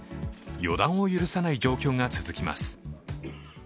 予断を許さない状況が続きます。